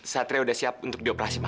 satria udah siap untuk dioperasi ma